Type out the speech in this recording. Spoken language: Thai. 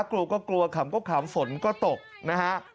กลัวก็กลัวขำก็ขำฝนก็ตกนะฮะ